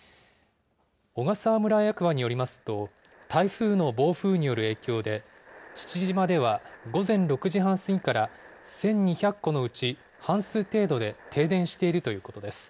小笠原村役場によりますと、台風の暴風による影響で、父島では午前６時半過ぎから、１２００戸のうち半数程度で停電しているということです。